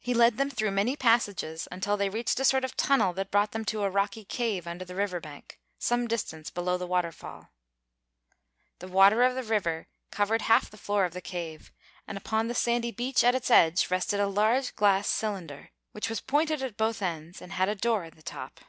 He led them through many passages, until they reached a sort of tunnel that brought them to a rocky cave under the river bank, some distance below the waterfall. The water of the river covered half the floor of the cave, and upon the sandy beach at its edge rested a large glass cylinder, which was pointed at both ends and had a door in the top.